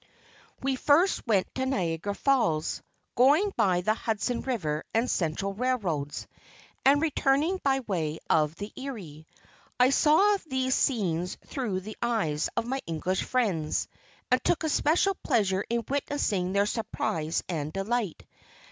We first went to Niagara Falls, going by the Hudson River and Central Railroads; and returned by way of the Erie. I saw these scenes through the eyes of my English friends, and took a special pleasure in witnessing their surprise and delight.